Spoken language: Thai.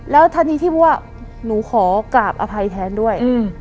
แล้วทันทีที่ว่าหนูขอกราบอภัยแทนด้วย